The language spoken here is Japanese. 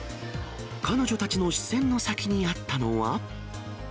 彼女たちの視線の先にあったのは。